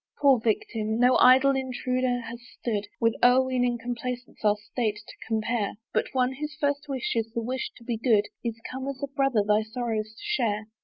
"Poor victim! no idle intruder has stood "With o'erweening complacence our state to compare, "But one, whose first wish is the wish to be good, "Is come as a brother thy sorrows to share.